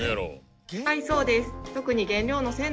はいそうです。